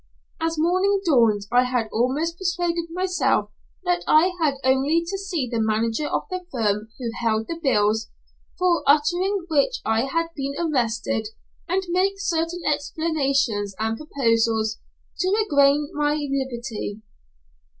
As morning dawned, I had almost persuaded myself that I had only to see the manager of the firm who held the bills, for uttering which I had been arrested, and make certain explanations and proposals, to regain my liberty.